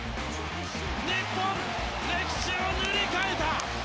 日本、歴史を塗り替えた！